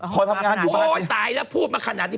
พอทำงานอยู่บาร์เสียอ้วนโอ้ยตายแล้วพูดมาขนาดนี้